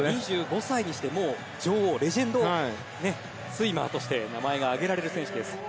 ２５歳にして女王、レジェンドスイマーとして名前が挙げられる選手です。